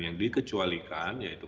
yang dikecualikan yaitu